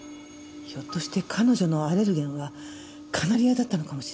ひょっとして彼女のアレルゲンはカナリアだったのかもしれない。